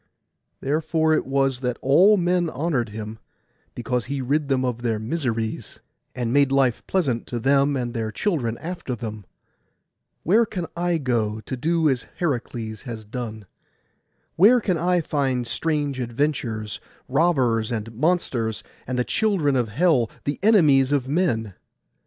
Therefore it was that all men honoured him, because he rid them of their miseries, and made life pleasant to them and their children after them. Where can I go, to do as Heracles has done? Where can I find strange adventures, robbers, and monsters, and the children of hell, the enemies of men?